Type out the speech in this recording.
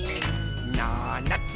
「ななつ